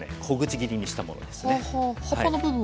小口切りにしたものですね。